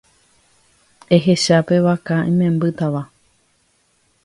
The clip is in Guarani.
Ehecha pe vaka imembýtava.